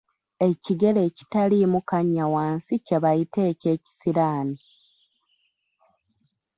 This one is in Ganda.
Ekigere ekitaliimu kannya wansi kye bayita ekyekisiraani.